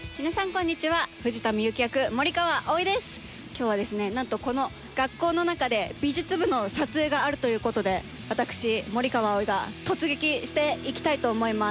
今日はですね何とこの学校の中で美術部の撮影があるということで私森川葵が突撃していきたいと思います。